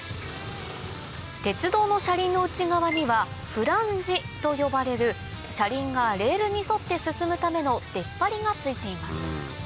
鉄道の車輪の内側にはフランジと呼ばれる車輪がレールに沿って進むための出っ張りが付いています